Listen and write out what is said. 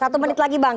satu menit lagi bang